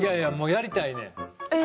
やりたいねん。